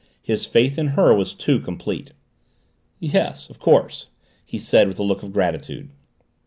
His faith in her was too complete. "Yes of course " he said, with a look of gratitude.